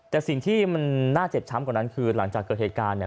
แต่สิ่งที่มันน่าเจ็บช้ำกว่านั้นคือหลังจากเกิดเหตุการณ์เนี่ย